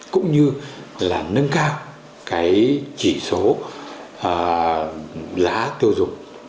cũng như là nâng cao cái chỉ số giá tiêu dùng